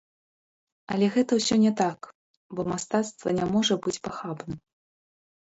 Але гэта ўсё не так, бо мастацтва не можа быць пахабным.